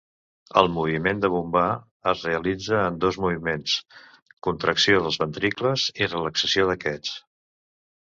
El moviment de bombar es realitza en dos moviments, contracció dels ventricles i relaxació d'aquest.